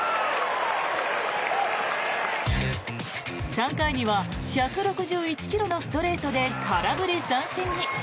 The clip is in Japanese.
３回には１６１ｋｍのストレートで空振り三振に。